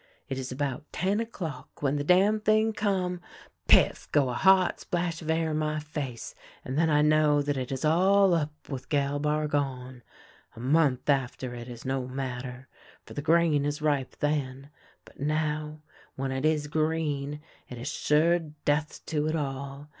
" It is about ten o'clock when the damn thing come. PifT ! go a hot splash of air in my face, and then I know that it is all up wath Gal Bargon. A month after it is no matter, for the grain is ripe then, but now, when it is green, it is sure death to it all.